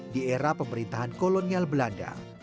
di era pemerintahan kolonial belanda